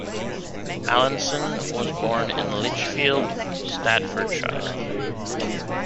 Allinson was born in Lichfield, Staffordshire.